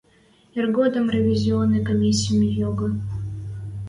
Иргодым ревизионный комиссим йогы.